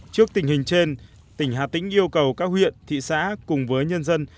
trước tình hình trên tỉnh hà tĩnh yêu cầu các huyện thị xã cùng với nhân dân